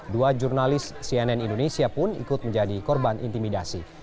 dua jurnalis cnn indonesia pun ikut menjadi korban intimidasi